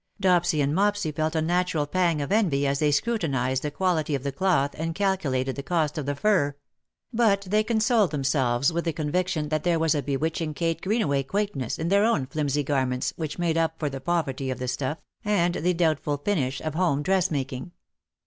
Dopsy and Mopsy felt a natural pang of envy as they scrutinized the quality of the cloth and calcu lated the cost of the fur; but they consoled them selves with the conviction that there was a bewitch ing Kate Greenaway quaintness in their own flimsy garments which made up for the poverty of the stuff, and the doubtful finish of home dressmaking.